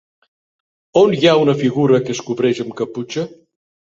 On hi ha una figura que es cobreix amb caputxa?